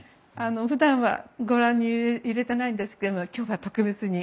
ふだんはご覧に入れてないんですけれども今日は特別に。